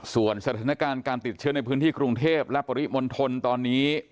ส่วนสถานการณ์การติดเชื้อในพื้นที่กรุงเทพและปริมณฑลตอนนี้